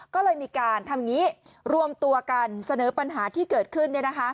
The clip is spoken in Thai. ก็เลยมีการทำอย่างนี้รวมตัวกันเสนอปัญหาที่เกิดขึ้น